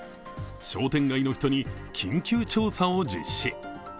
商店街の人に、緊急調査を実施。